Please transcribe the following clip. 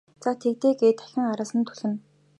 За тэг л дээ гээд дахин араас нь түлхэнэ.